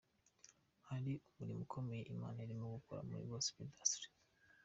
Hari umurimo ukomeye Imana irimo gukora muri Gospel industry.